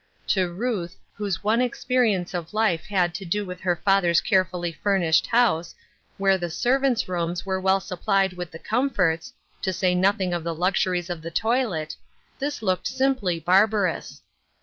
To Ruth, whose one experience of life had to do with her father's carefully furnished house, where the servants' rooms were well supplied with the comforts, to say nothing of the luxuries of the toilet, this looked simply barbarous.